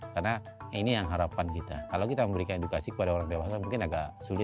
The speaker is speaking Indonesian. karena ini yang harapan kita kalau kita memberikan edukasi kepada orang dewasa mungkin agak sulit ya